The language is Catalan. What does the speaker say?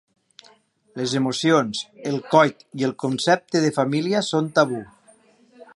Les emocions, el coit i el concepte de família són tabú.